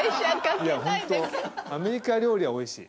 いやホントアメリカ料理は美味しい。